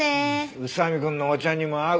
宇佐見くんのお茶にも合う。